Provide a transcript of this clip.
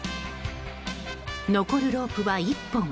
残るロープは１本。